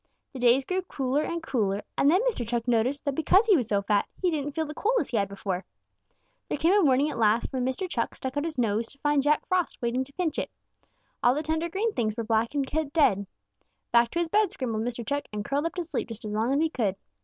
The days grew cooler and cooler, and then Mr. Chuck noticed that because he was so fat, he didn't feel the cold as he had before. There came a morning at last when Mr. Chuck stuck his nose out to find Jack Frost waiting to pinch it. All the tender green things were black and dead. Back to his bed scrambled Mr. Chuck and curled up to sleep just as long as he could.